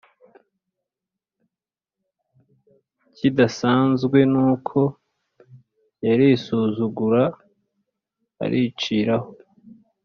ikidasanzwe nuko yarisuzugura ariciraho